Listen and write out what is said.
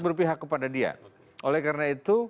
berpihak kepada dia oleh karena itu